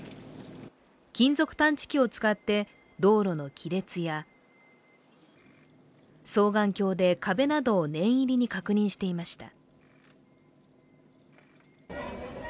金属探知機を使って道路の亀裂や双眼鏡で壁などを念入りに確認していました。